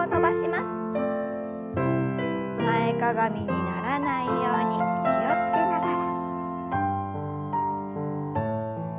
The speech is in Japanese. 前かがみにならないように気を付けながら。